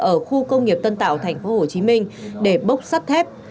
ở khu công nghiệp tân tạo tp hcm để bốc sắt thép